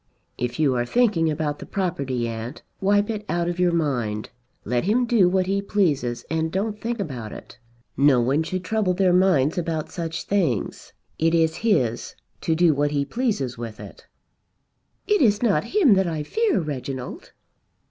"If you are thinking about the property, aunt, wipe it out of your mind. Let him do what he pleases and don't think about it. No one should trouble their minds about such things. It is his, to do what he pleases with it." "It is not him that I fear, Reginald."